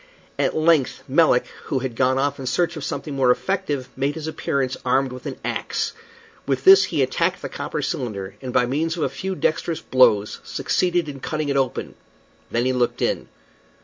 At length Melick, who had gone off in search of something more effective, made his appearance armed with an axe. With this he attacked the copper cylinder, and by means of a few dexterous blows succeeded in cutting it open. Then he looked in.